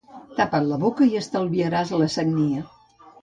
Tapa't la boca i estalviaràs la sagnia.